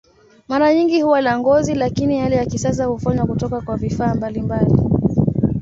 Mara nyingi huwa la ngozi, lakini yale ya kisasa hufanywa kutoka kwa vifaa mbalimbali.